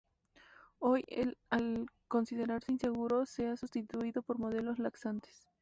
Hoy, al considerarse inseguro, se ha sustituido por modernos laxantes.